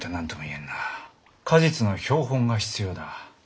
果実の標本が必要だ。